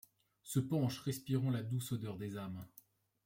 Se penche, respirant la douce odeur des âmes.